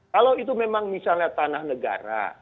kalau itu memang misalnya tanah negara